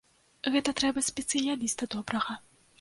Гэта трэба спецыяліста добрага.